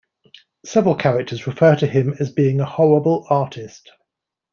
Several characters refer to him as being a horrible artist.